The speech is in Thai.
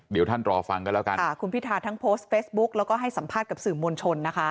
เดี๋ยวท่านรอฟังกันแล้วกันค่ะคุณพิทาทั้งโพสต์เฟซบุ๊กแล้วก็ให้สัมภาษณ์กับสื่อมวลชนนะคะ